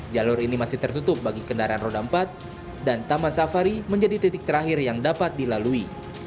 jalur ini masih tertutup bagi kendaraan roda empat dan taman safari menjadi titik terakhir yang dapat dilalui